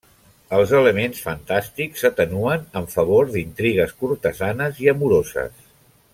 Els elements fantàstics s'atenuen en favor d'intrigues cortesanes i amoroses.